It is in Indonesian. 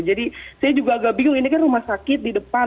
jadi saya juga agak bingung ini kan rumah sakit di depan